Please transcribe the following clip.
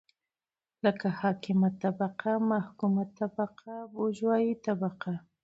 لکه حاکمه طبقه ،محکومه طبقه بوژوايي طبقه